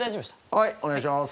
はいお願いします。